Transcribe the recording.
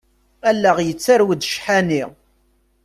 Allaɣ yettarew-d ccḥani.